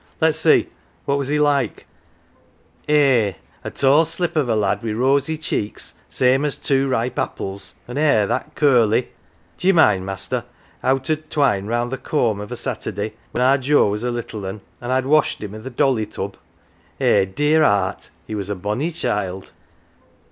Let's see, what was he like ?"" Eh, a tall slip of a lad wi' rosy cheeks, same as two ripe apples, and hair that curly ! D'ye mind, master, how 't 'ud twine round th' comb of a Saturday, when our Joe was a little 'un, an 1 I'd washed him i' th' dolly tub ? Eh, dear 'eart, he was a bonny child